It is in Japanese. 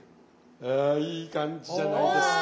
あいい感じじゃないですか。